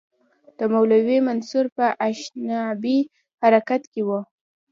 د مولوي منصور په انشعابي حرکت کې وو.